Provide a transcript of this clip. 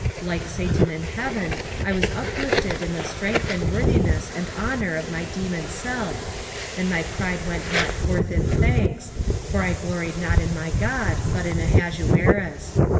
Like Satan in Heaven I was uplifted in the strength and worthiness and honour of my demon self, and my pride went not forth in thanks, for I gloried not in my God, but in Ahasuerus.